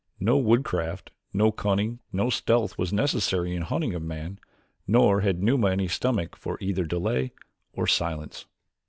No woodcraft, no cunning, no stealth was necessary in the hunting of man, nor had Numa any stomach for either delay or silence.